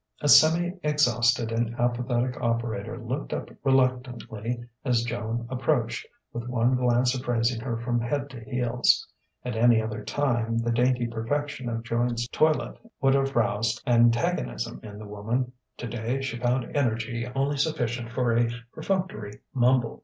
A semi exhausted and apathetic operator looked up reluctantly as Joan approached, with one glance appraising her from head to heels. At any other time the dainty perfection of Joan's toilet would have roused antagonism in the woman; today she found energy only sufficient for a perfunctory mumble.